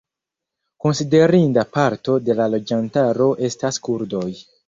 Konsiderinda parto de la loĝantaro estas kurdoj.